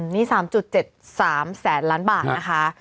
นี่๓๗๓แสนล้านบาทนะคะ